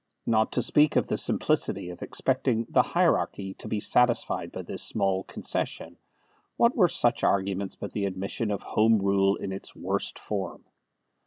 Not to speak of the simplicity of expecting the hierarchy to be satisfied by this small concession, what were such arguments but the admission of Home Rule in its worst form?